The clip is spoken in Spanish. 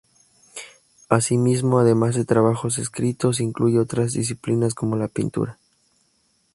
Asimismo, además de trabajos escritos, incluye otras disciplinas, como la pintura.